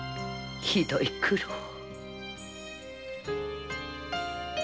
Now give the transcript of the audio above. ひどい苦労を。